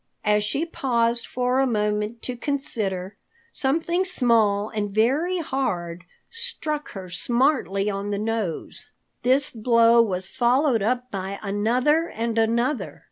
As she paused for a moment to consider, something small and very hard struck her smartly on the nose. This blow was followed up by another and another.